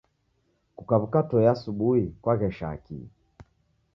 Kukaw'uka toe asubuhi kwaghesha kii?